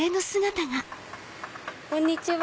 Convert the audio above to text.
こんにちは。